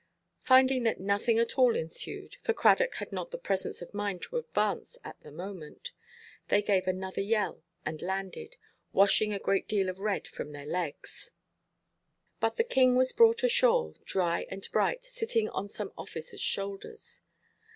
Finding that nothing at all ensued, for Cradock had not the presence of mind to advance at the moment, they gave another yell and landed, washing a great deal of red from their legs. But the king was brought ashore, dry and bright, sitting on some officers' shoulders.